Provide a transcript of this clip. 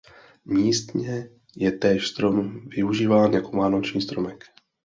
Místně je též strom využíván jako vánoční stromek.